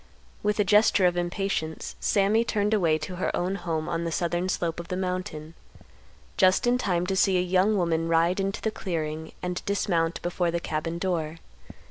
With a gesture of impatience, Sammy turned away to her own home on the southern slope of the mountain, just in time to see a young woman ride into the clearing and dismount before the cabin door.